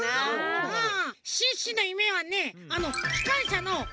シュッシュの夢はね